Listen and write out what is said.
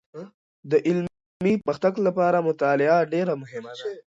د علمي پرمختګ لپاره مطالعه ډېر مهمه ده.